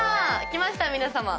きました皆さま。